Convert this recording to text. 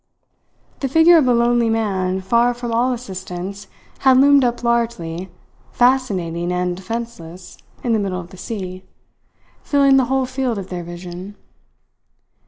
The figure of a lonely man far from all assistance had loomed up largely, fascinating and defenceless in the middle of the sea, filling the whole field of their vision.